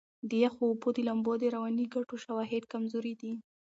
د یخو اوبو د لامبو د رواني ګټو شواهد کمزوري دي.